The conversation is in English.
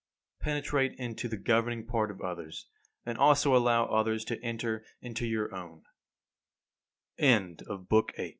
Penetrate into the governing part of others; and also allow others to enter into your o